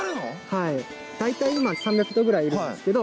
はいだいたい今３００頭ぐらいいるんですけど